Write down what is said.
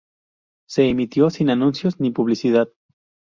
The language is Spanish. Se emitió sin anuncios ni publicidad.